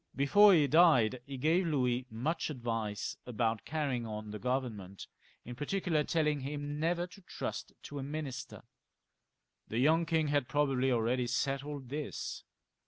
Before he died he gave Louis much advice about carry ing on the Government, in particular, telling him never to trust to a minister. The young king had probably already settled this.